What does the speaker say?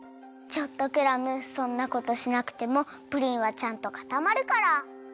ちょっとクラムそんなことしなくてもプリンはちゃんとかたまるから。